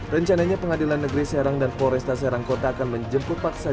rencananya pengadilan negeri serang dan floresta serangkota akan menjemput paksa